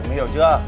mày hiểu chưa